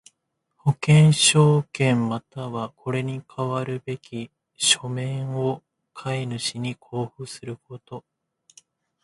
保険証券又はこれに代わるべき書面を買主に交付すること。